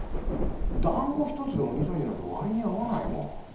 だんご一つで鬼退治なんて割に合わないもん。